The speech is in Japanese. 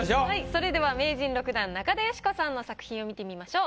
それでは名人６段中田喜子さんの作品を見てみましょう。